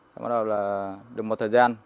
xong bắt đầu là được một thời gian